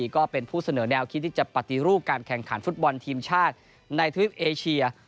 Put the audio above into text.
ก็เป็นผู้เสนอแนวคิดที่จะปฏิรูปการแข่งขันฟุตบอลทีมชาติในทวิปเอเชีย